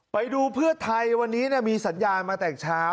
ไปดูเพื่อไทยวันนี้มีสัญญาณมาแต่เช้า